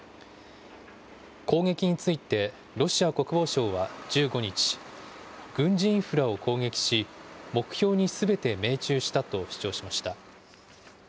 攻撃について、ロシア国防省は１５日、軍事インフラを攻撃し、目標にすべて命中したと主張しました。